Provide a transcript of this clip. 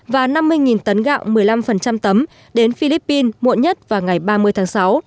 và năm mươi tấn gạo một mươi năm tấm đến philippines muộn nhất vào ngày ba mươi tháng sáu